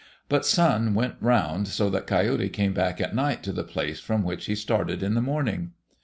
But Sun went round so that Coyote came back at night to the place from which he started in the morning.